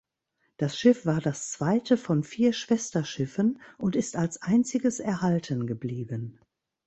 Das Schiff war das zweite von vier Schwesterschiffen und ist als einziges erhalten geblieben.